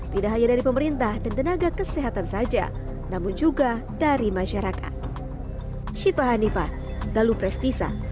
tidak hanya dari pemerintah dan tenaga kesehatan saja namun juga dari masyarakat